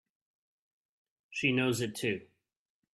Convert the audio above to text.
She knows it too!